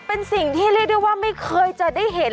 เป็นสิ่งที่เรียกได้ว่าไม่เคยจะได้เห็น